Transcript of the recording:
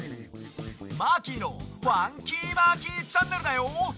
マーキーの「ファンキーマーキーチャンネル」だよ！